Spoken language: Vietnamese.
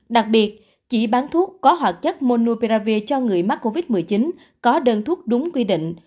đặc biệt chỉ bán thuốc có hoạt chất monupravi cho người mắc covid một mươi chín có đơn thuốc đúng quy định